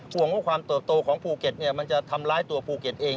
ห่วงว่าความเติบโตของภูเก็ตมันจะทำร้ายตัวภูเก็ตเอง